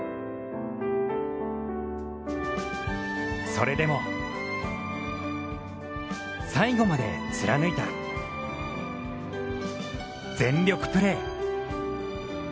それでも、最後まで貫いた全力プレー。